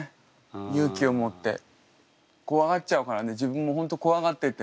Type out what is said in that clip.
勇気を持って怖がっちゃうからね自分も本当怖がってて。